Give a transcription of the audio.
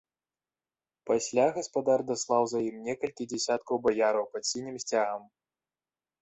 Пасля гаспадар даслаў за ім некалькі дзясяткаў баяраў пад сінім сцягам.